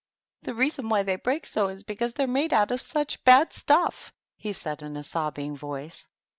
"The reason why they break so is because THE TEA TABLE. 59 they're made out of such bad stuff!" he said, in a sobbing voice.